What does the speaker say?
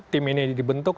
tim ini dibentuk